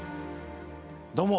どうも。